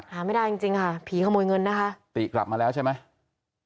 หาไม่ได้จริงจริงค่ะผีขโมยเงินนะคะติกลับมาแล้วใช่ไหม